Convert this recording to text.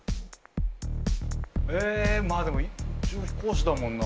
えまあでも宇宙飛行士だもんな。